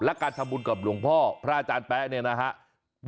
และการทำบุญกับหลวงพ่อพระอาจารย์แป๊ะเนี่ยนะครับ